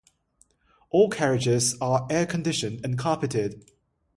All carriages are air-conditioned and carpeted.